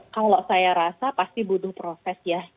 kalau saya rasa pasti butuh proses ya